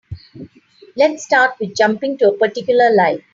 Let's start with jumping to a particular line.